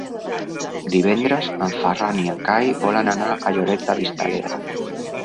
Divendres en Ferran i en Cai volen anar a Lloret de Vistalegre.